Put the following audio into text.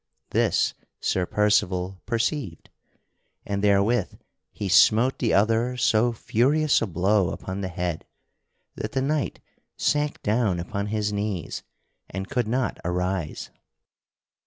This Sir Percival perceived, and therewith he smote the other so furious a blow upon the head that the knight sank down upon his knees and could not arise.